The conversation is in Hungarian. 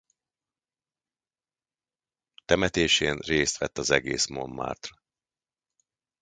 Temetésén részt vett az egész Montmartre.